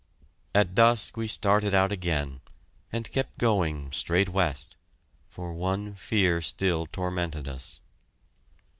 At dusk we started out again, and kept going straight west, for one fear still tormented us.